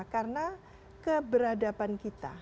karena keberadaban kita